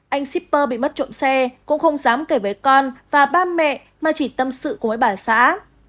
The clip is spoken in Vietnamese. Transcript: anh sipper bị mất trộm xe cũng không dám kể với con và ba mẹ mà chỉ tâm sự cùng với bà xã